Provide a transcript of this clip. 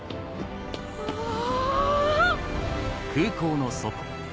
うわ！